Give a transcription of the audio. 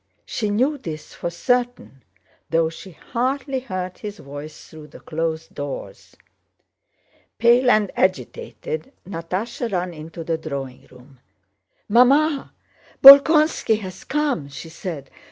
She knew this for certain, though she hardly heard his voice through the closed doors. Pale and agitated, Natásha ran into the drawing room. "Mamma! Bolkónski has come!" she said.